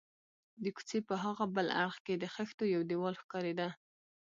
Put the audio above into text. د کوڅې په هاغه بل اړخ کې د خښتو یو دېوال ښکارېده.